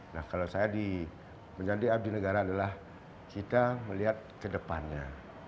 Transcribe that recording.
nah kalau saya menjadi abdi negara adalah kita melihat ke depannya